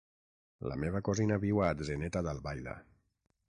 La meva cosina viu a Atzeneta d'Albaida.